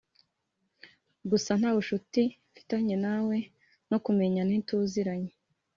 gusa nta bucuti mfitanye na we no kumenyana ntituziranye”